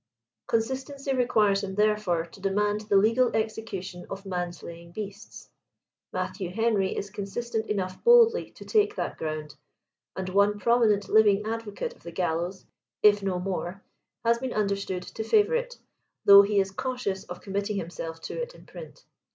Consistency requires him therefore to demand the legal execution of man slaying beasts. Matthew Henry is consistent enough boldly to take that ground, and one prominent living advocate of the gallows, if no more, has been understood to favor it, though he is cautious of com mitting himself to it in print.